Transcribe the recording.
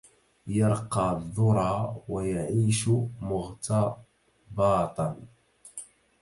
يرقى الذرى ويعيش مغتباطا